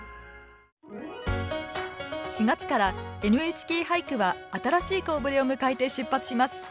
４月から「ＮＨＫ俳句」は新しい顔ぶれを迎えて出発します。